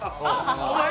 この辺？